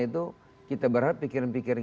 itu kita berharap pikiran pikiran